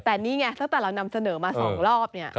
แต่นี่ไงตั้งแต่เรานำเสนอมา๒รอบเนี่ย